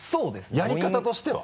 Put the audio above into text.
やり方としては？